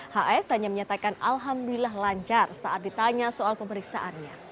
hs hanya menyatakan alhamdulillah lancar saat ditanya soal pemeriksaannya